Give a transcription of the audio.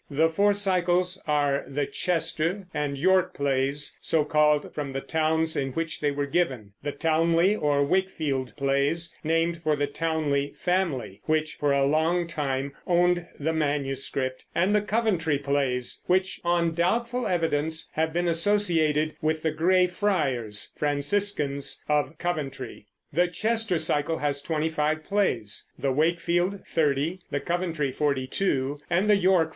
The four cycles are the Chester and York plays, so called from the towns in which they were given; the Towneley or Wakefield plays, named for the Towneley family, which for a long time owned the manuscript; and the Coventry plays, which on doubtful evidence have been associated with the Grey Friars (Franciscans) of Coventry. The Chester cycle has 25 plays, the Wakefield 30, the Coventry 42, and the York 48.